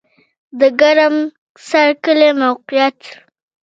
د ګرم سر کلی موقعیت